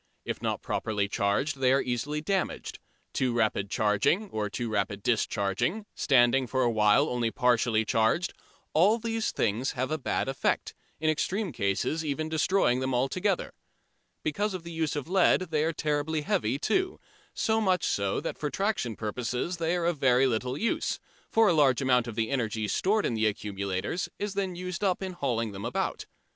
If not properly charged they are easily damaged. Too rapid charging or too rapid discharging, standing for a while only partly charged all these things have a bad effect, in extreme cases even destroying them altogether. Because of the use of lead they are terribly heavy too, so much so that for traction purposes they are of very little use, for a large amount of the energy stored in the accumulators is then used up in hauling them about.